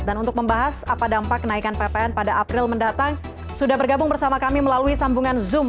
dan untuk membahas apa dampak kenaikan ppn pada april mendatang sudah bergabung bersama kami melalui sambungan zoom